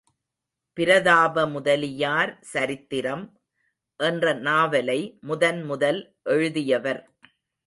பிரதாபமுதலியார் சரித்திரம் —என்ற நாவலை முதன்முதல் எழுதியவர்.